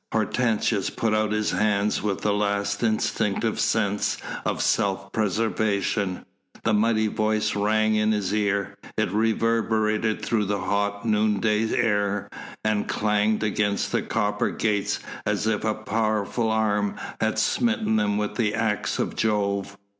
Hortensius put out his hands with a last instinctive sense of self preservation. The mighty voice rang in his ear, it reverberated through the hot noonday air, and clanged against the copper gates as if a powerful arm had smitten them with the axe of Jove.